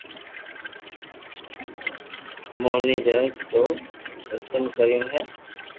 ھوئي گآو ھين ٿي زتم ڪريو ھي